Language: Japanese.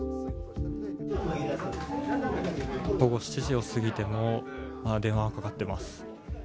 午後７時を過ぎても、まだ電話がかかってます。